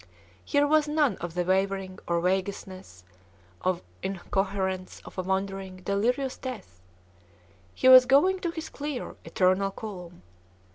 Here was none of the wavering or vagueness or incoherence of a wandering, delirious death. He was going to his clear, eternal calm.